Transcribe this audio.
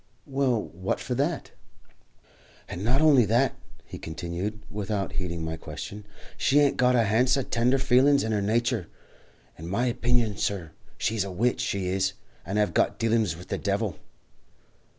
"Well, what for that?" "And not honly that," he continued, without heeding my question, "she hain't a got a hounce of tender feelin's in her natur. In my opinion, sur, she's a witch, she is, and hev got dealin's with the devil."